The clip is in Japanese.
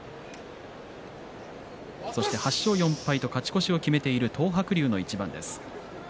そして８勝４敗と勝ち越しを決めている東白龍の一番です。